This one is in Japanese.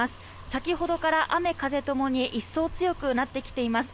先ほどから雨風ともに一層強くなってきています